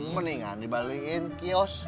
mendingan dibalikin kios